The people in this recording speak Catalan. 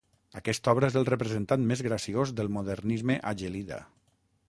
Aquesta obra és el representant més graciós del Modernisme a Gelida.